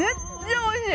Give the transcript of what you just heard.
おいしい！